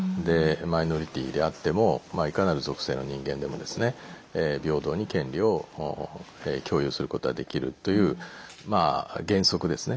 マイノリティーであってもいかなる属性の人間でも平等に権利を共有することができるという原則ですね。